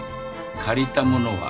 借りたものは返す。